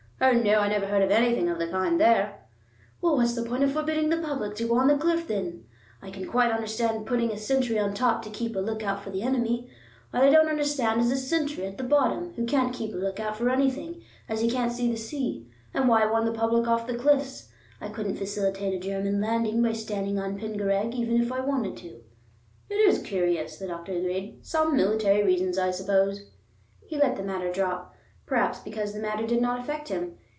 "Oh, no; I never heard of anything of the kind there." "Well, what's the point of forbidding the public to go on the cliff, then? I can quite understand putting a sentry on the top to keep a look out for the enemy. What I don't understand is a sentry at the bottom who can't keep a look out for anything, as he can't see the sea. And why warn the public off the cliffs? I couldn't facilitate a German landing by standing on Pengareg, even if I wanted to." "It is curious," the doctor agreed. "Some military reasons, I suppose." He let the matter drop, perhaps because the matter did not affect him.